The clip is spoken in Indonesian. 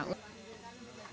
kepada warga odgj